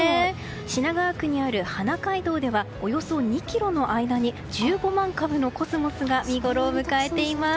品川区にある花海道ではおよそ２ｋｍの間に１５万株のコスモスが見ごろを迎えています。